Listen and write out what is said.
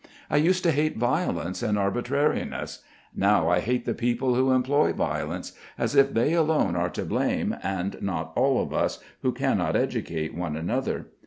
I used to hate violence and arbitrariness; now I hate the people who employ violence, as if they alone are to blame and not all of us, who cannot educate one another.